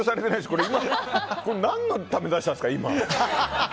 これ、今何のために出したんですか？